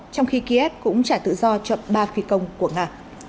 trong khi kiev cũng trả tự do chậm ba khuy công của nga